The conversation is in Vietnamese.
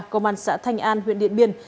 công an xã thanh an huyện điện biên